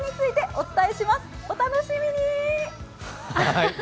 お楽しみに。